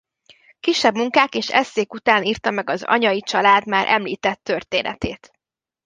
Kisebb munkák és esszék után írta meg az anyai család már említett történetét.